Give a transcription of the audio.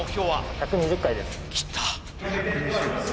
１２０回です。